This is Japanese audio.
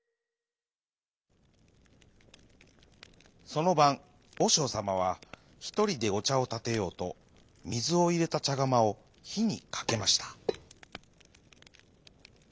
そのばんおしょうさまはひとりでおちゃをたてようとみずをいれたちゃがまをひにかけました。